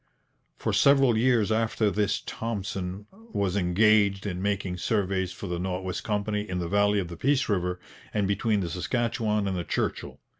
For several years after this Thompson was engaged in making surveys for the North West Company in the valley of the Peace river and between the Saskatchewan and the Churchill.